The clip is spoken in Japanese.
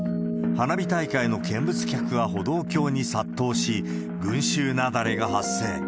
花火大会の見物客が歩道橋に殺到し、群衆雪崩が発生。